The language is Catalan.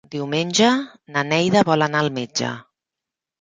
Diumenge na Neida vol anar al metge.